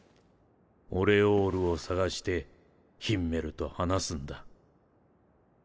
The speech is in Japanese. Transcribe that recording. オレオールを探してヒンメルと話すんだ。